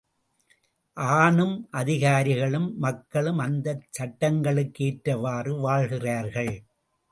ஆணும் அதிகாரிகளும், மக்களும் அந்தச் சட்டங்களுக்கு ஏற்றவாறே வாழ்கிறார்கள்.